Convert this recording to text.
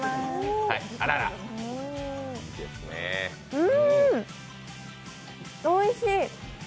うーん、おいしい。